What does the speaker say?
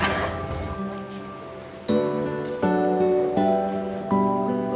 masih inget sama aku gak